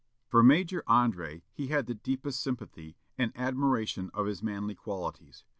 For Major André he had the deepest sympathy, and admiration of his manly qualities.